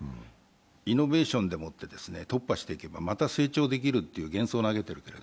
イノベーションで突破していけばまた成長できるという幻想を投げている。